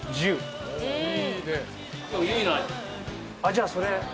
じゃあそれ。